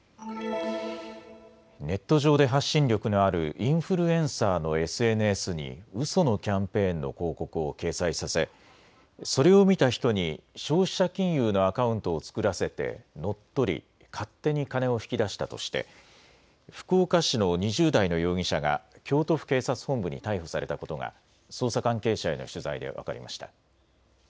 ネット上で発信力のあるインフルエンサーのＳＮＳにうそのキャンペーンの広告を掲載させ、それを見た人に消費者金融のアカウントを作らせて乗っ取り、勝手に金を引き出したとして福岡市の２０代の容疑者が京都府警察本部に逮捕されたことが捜査関係者への取材で分かりました。